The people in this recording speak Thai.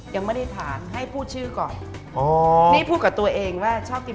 ยังไม่ได้ถามให้พูดชื่อก่อนอ๋อนี่พูดกับตัวเองว่าชอบกิน